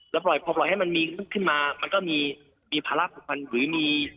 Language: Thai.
แล้วปล่อยพอปล่อยให้มันมีขึ้นขึ้นมามันก็มีมีภาระกับมันหรือมี